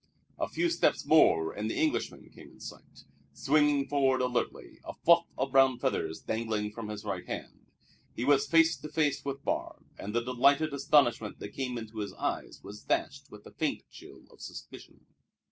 A few steps more and the Englishman came in sight, swinging forward alertly, a fluff of brown feathers dangling from his right hand. He was face to face with Barbe; and the delighted astonishment that came into his eyes was dashed with a faint chill of suspicion.